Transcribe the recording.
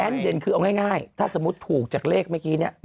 เด่นคือเอาง่ายถ้าสมมุติถูกจากเลขเมื่อกี้เนี่ย